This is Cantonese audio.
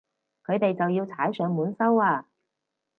佢哋就要踩上門收啊